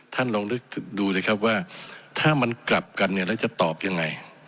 ท่านลองนึกดูสิครับว่าถ้ามันกลับกันเนี่ยแล้วจะตอบยังไง